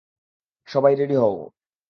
সবাই রেডি হও!